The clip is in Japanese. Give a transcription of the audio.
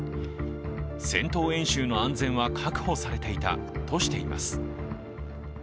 戦闘演習の安全は確保されていたとしています。